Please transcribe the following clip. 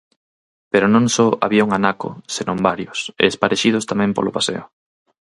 Pero non só había un anaco senón varios e esparexidos tamén polo paseo.